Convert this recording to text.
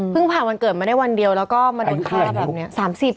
ผ่านวันเกิดมาได้วันเดียวแล้วก็มาโดนฆ่าแบบนี้